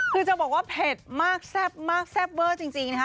คือจะบอกว่าเผ็ดมากแซ่บมากแซ่บเวอร์จริงนะคะ